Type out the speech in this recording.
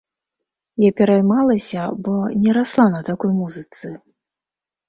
Я пераймалася, бо не расла на такой музыцы.